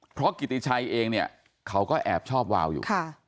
เพราะกิติชัยเองเนี่ยเขาก็แอบชอบวาวอยู่